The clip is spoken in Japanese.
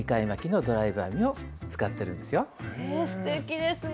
すてきですね！